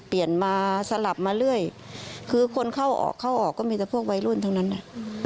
เปลี่ยนมาสลับมาเรื่อยคือคนเข้าออกเข้าออกก็มีแต่พวกวัยรุ่นเท่านั้นนะ